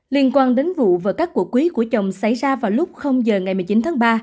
liên quan đến vụ vợ cắt cổ quý của chồng xảy ra vào lúc giờ ngày một mươi chín tháng ba